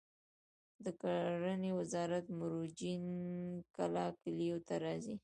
د کرنې وزارت مروجین کله کلیو ته راځي؟